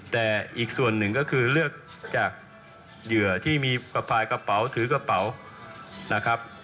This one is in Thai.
แต่อีกส่วนหนึ่งก็คือเลือกจากเหยื่อที่มีประพายกระเป๋าถือกระเป๋านะครับ